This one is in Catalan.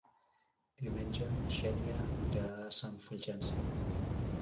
Diumenge na Xènia irà a Sant Fulgenci.